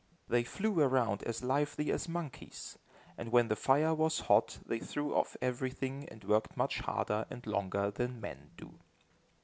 They flew around as lively as monkeys, and when the fire was hot they threw off everything and worked much harder and longer than men do.